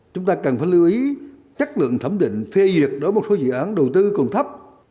chúng ta cần phải lưu ý chất lượng thẩm định phê duyệt đối với một số dự án đầu tư còn thấp